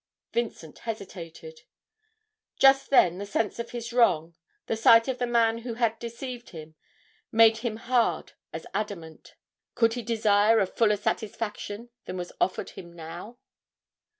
Vincent hesitated; just then the sense of his wrong, the sight of the man who had deceived him, made him hard as adamant. Could he desire a fuller satisfaction than was offered him now?